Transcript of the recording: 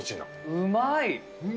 うまい！